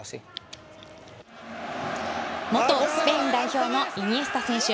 元スペイン代表のイニエスタ選手。